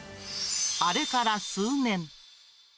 あれから数年。